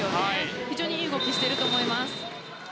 非常にいい動きをしていると思います。